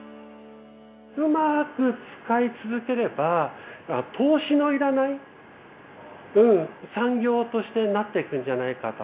うまく使い続ければ投資の要らない産業としてなっていくんじゃないかと。